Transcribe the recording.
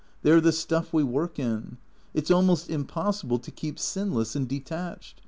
They 're the stuff we work in. It 's almost impossible to keep sinless and detached.